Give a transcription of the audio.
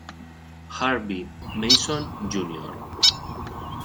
Harvey Mason, Jr.